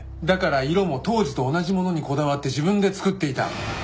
だから色も当時と同じものにこだわって自分で作っていた。